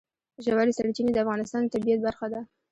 ژورې سرچینې د افغانستان د طبیعت برخه ده.